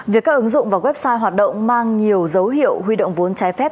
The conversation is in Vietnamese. việc các ứng dụng và website hoạt động mang nhiều dấu hiệu huy động vốn trái phép